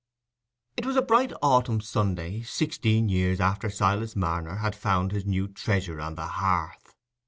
It was a bright autumn Sunday, sixteen years after Silas Marner had found his new treasure on the hearth.